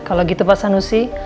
kalau gitu pak sanusi